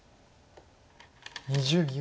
２０秒。